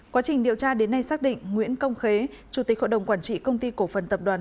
quá trình điều tra đến nay xác định nguyễn công khế chủ tịch hội đồng quản trị công ty cổ phần tập đoàn